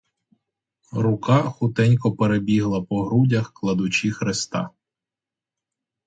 Рука хутенько перебігла по грудях, кладучи хреста.